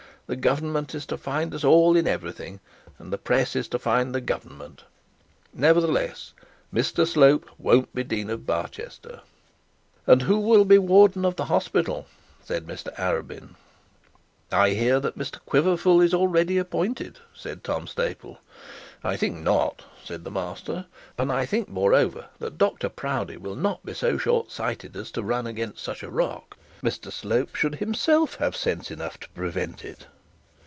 The Government is to find us all in everything, and the press is to find the Government. Nevertheless, Mr Slope won't be Dean of Barchester.' 'And who will be the warden of the hospital?' said Mr Arabin. 'I hear that Mr Quiverful is already appointed,' said Tom Staple. 'I think not,' said the master. 'And I think, moreover, that Dr Proudie will not be so short sighted as to run against such a rock; Mr Slope should himself have sense enough to prevent it.'